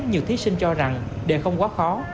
nhiều thí sinh cho rằng đề không quá khó